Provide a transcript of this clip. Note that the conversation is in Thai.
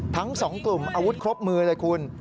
ทั้ง๒กลุ่มอาวุธครบมือเลยคุณ